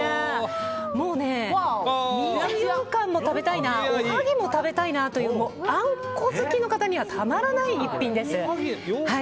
水ようかんも食べたいなおはぎも食べたいなというあんこ好きの方にはたまらない一品です。